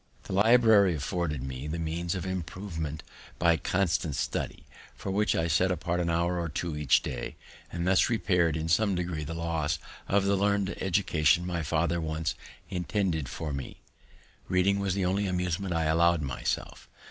This library afforded me the means of improvement by constant study, for which I set apart an hour or two each day, and thus repair'd in some degree the loss of the learned education my father once intended for me. Reading was the only amusement I allow'd myself.